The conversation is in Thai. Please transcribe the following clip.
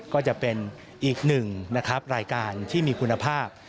ก็จะเป็นอีกหนึ่งนะครับรายการที่มีคุณภาพ